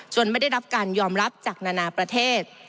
ไม่ได้รับการยอมรับจากนานาประเทศ